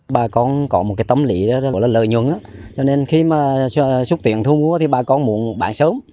bà con có một tâm lý lợi nhuận cho nên khi xúc tiện thu mua thì bà con muốn bán sớm